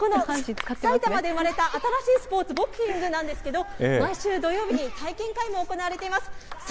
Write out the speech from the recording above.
このさいたまで生まれた新しいスポーツ、ボクピングなんですけど、毎週土曜日に体験会も行われています。